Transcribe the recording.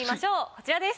こちらです。